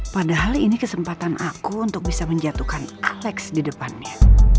padahal ini kesempatan aku untuk bisa menjatuhkan alex di depannya